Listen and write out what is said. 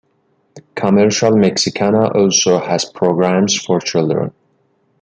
Comercial Mexicana also has programs for children.